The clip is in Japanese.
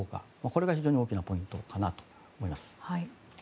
これが非常に大きなポイントかなと思います。